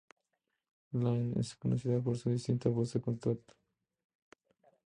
Lynne es conocida por su distintiva voz de contralto.